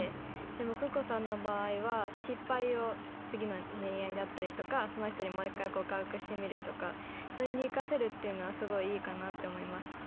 でもＫＵＫＯさんの場合は失敗を次の恋愛だったりとかその人にもう一回告白してみるとかそれにいかせるっていうのはすごいいいかなって思いました。